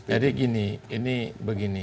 jadi gini ini begini